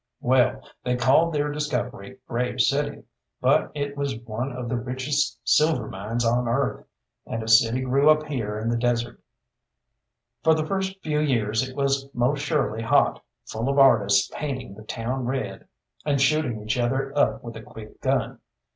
Well, they called their discovery Grave City, but it was one of the richest silver mines on earth, and a city grew up here in the desert. For the first few years it was most surely hot, full of artists painting the town red, and shooting each other up with a quick gun.